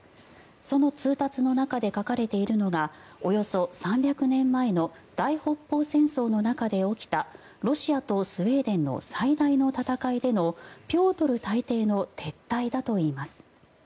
その通達の中で書かれているのがおよそ３００年前の大北方戦争の中で起きたロシアとスウェーデンの最大の戦いでのピョートル大帝の撤退だといいます。